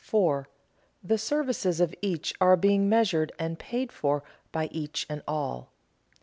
_The services of each are being measured and paid for by each and all.